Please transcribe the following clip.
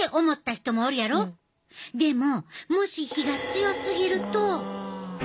でももし火が強すぎると。